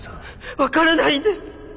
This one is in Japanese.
分からないんです。